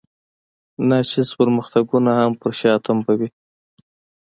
ناچیز پرمختګونه هم پر شا تمبوي.